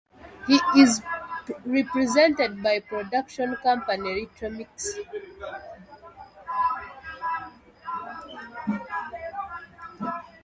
He is represented by production company Little Minx.